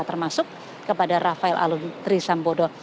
termasuk kepada rafael alun trisambodo